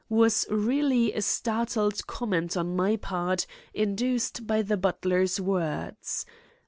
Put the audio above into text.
was really a startled comment on my part induced by the butler's words.